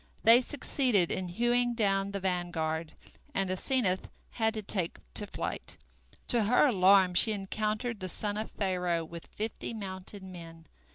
They succeeded in hewing down the vanguard, and Asenath had to take to flight. To her alarm she encountered the son of Pharaoh with fifty mounted men.